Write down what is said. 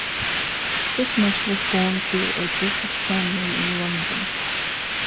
Christmas was born to a British family in London.